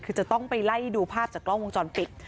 คือจะต้องไปไล่ดูภาพจากกล้องวงจรปิด